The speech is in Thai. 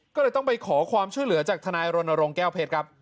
ก็เลยต้องไปขอความช่วยเหลือจากทนายรณรงค์แก้วเพชรครับ